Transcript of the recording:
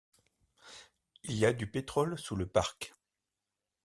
Il y a du pétrole sous le parc.